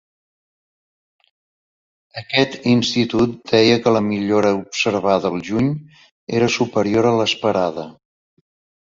Aquest institut deia que la millora observada al juny era superior a l’esperada.